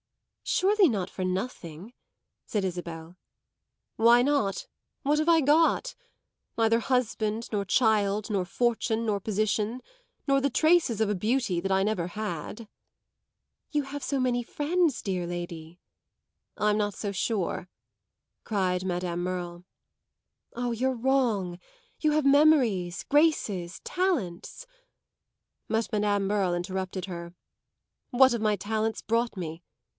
"Surely not for nothing," said Isabel. "Why not what have I got? Neither husband, nor child, nor fortune, nor position, nor the traces of a beauty that I never had." "You have many friends, dear lady." "I'm not so sure!" cried Madame Merle. "Ah, you're wrong. You have memories, graces, talents " But Madame Merle interrupted her. "What have my talents brought me?